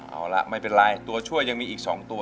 เอาล่ะไม่เป็นไรตัวช่วยยังมีอีก๒ตัว